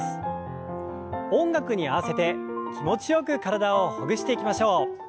音楽に合わせて気持ちよく体をほぐしていきましょう。